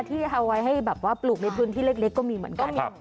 ที่ฮาวัยให้ปลูกในพื้นที่เล็กก็มีเหมือนกัน